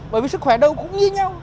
bởi vì sức khỏe đâu cũng như nhau